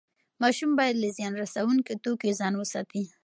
ماشوم باید له زیان رسوونکي توکیو ځان وساتي.